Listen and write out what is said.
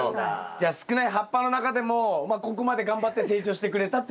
じゃ少ない葉っぱの中でもまあここまで頑張って成長してくれたっていうことですよね。